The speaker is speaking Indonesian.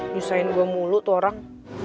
desain gue mulu tuh orang